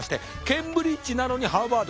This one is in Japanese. ケンブリッジなのにハーバード。